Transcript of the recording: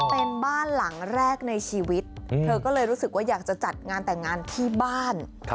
เป็นบ้านหลังแรกในชีวิตเธอก็เลยรู้สึกว่าอยากจะจัดงานแต่งงานที่บ้าน